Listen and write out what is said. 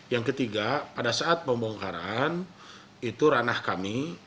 yang ketiga pada saat pembongkaran itu ranah kami